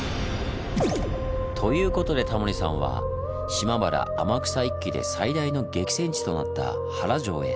ということでタモリさんは島原天草一揆で最大の激戦地となった原城へ。